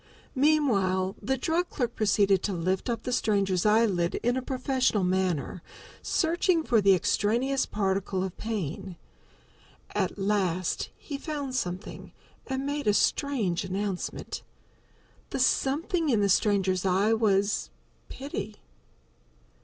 Meanwhile the drug clerk proceeded to lift up the stranger's eyelid in a professional manner, searching for the extraneous particle of pain. At last he found something, and made a strange announcement. The something in the stranger's eye was Pity.